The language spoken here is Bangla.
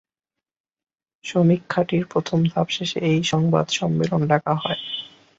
সমীক্ষাটির প্রথম ধাপ শেষে এই সংবাদ সম্মেলন ডাকা হয়।